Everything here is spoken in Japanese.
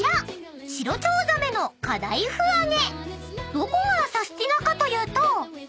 ［どこがサスティなかというと］